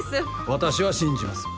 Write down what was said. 私は信じます。